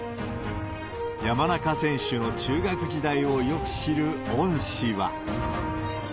山中選手の中学時代をよく知る恩師は。